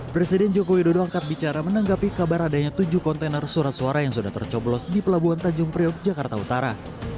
presiden jokowi dodo angkat bicara menanggapi kabar adanya tujuh kontainer surat suara yang sudah tercoblos di pelabuhan tanjung priok jakarta utara